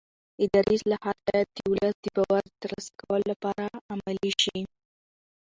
اداري اصلاحات باید د ولس د باور د ترلاسه کولو لپاره عملي شي